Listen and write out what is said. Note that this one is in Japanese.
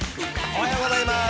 おはようございます。